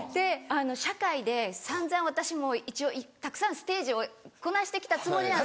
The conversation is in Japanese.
社会で散々私も一応たくさんステージをこなして来たつもりなんです。